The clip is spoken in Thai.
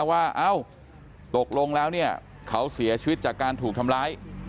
ว่าเอ้าตกลงแล้วเนี่ยเขาเสียชีวิตจากการถูกทำร้าย